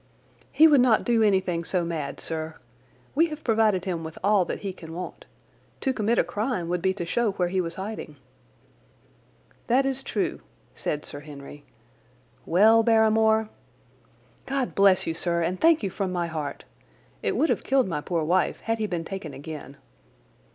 "He would not do anything so mad, sir. We have provided him with all that he can want. To commit a crime would be to show where he was hiding." "That is true," said Sir Henry. "Well, Barrymore—" "God bless you, sir, and thank you from my heart! It would have killed my poor wife had he been taken again."